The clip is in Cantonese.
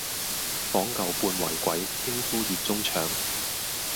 訪舊半為鬼，驚呼熱中腸。